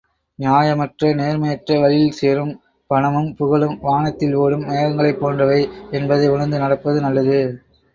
நியாயமற்ற, நேர்மையற்ற வழியில் சேரும் பணமும், புகழும் வானத்தில் ஓடும் மேகங்களைப் போன்றவை என்பதை உணர்ந்து நடப்பது நல்லது!